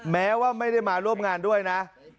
แม้ว่าไม่ได้มาร่วมงานด้วยนะ